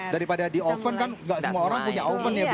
daripada di oven kan nggak semua orang punya oven ya bu